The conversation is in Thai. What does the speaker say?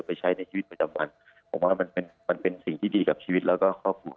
ไปใช้ในชีวิตประจำวันผมว่ามันเป็นมันเป็นสิ่งที่ดีกับชีวิตแล้วก็ครอบครัว